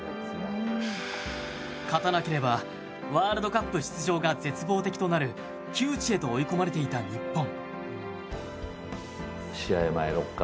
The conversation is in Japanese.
勝たなければワールドカップ出場が絶望的となる窮地へと追い込まれていた日本。